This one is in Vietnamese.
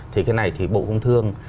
thì cái này thì bộ công thương